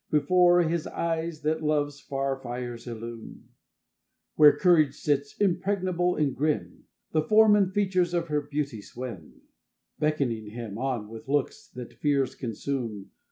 Before his eyes that love's far fires illume Where courage sits, impregnable and grim The form and features of her beauty swim, Beckoning him on with looks that fears consume.